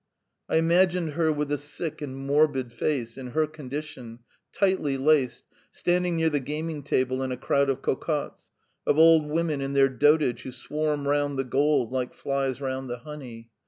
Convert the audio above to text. I imagined her with a sick and morbid face, in her condition, tightly laced, standing near the gaming table in a crowd of cocottes, of old women in their dotage who swarm round the gold like flies round the honey.